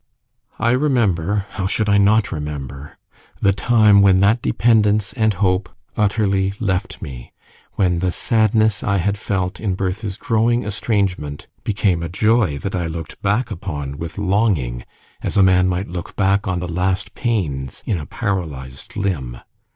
I remember how should I not remember? the time when that dependence and hope utterly left me, when the sadness I had felt in Bertha's growing estrangement became a joy that I looked back upon with longing as a man might look back on the last pains in a paralysed limb.